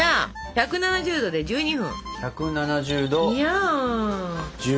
１７０℃１２分！